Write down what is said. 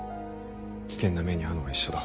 危険な目に遭うのは一緒だ。